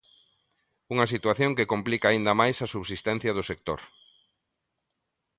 Unha situación que complica aínda máis a subsistencia do sector.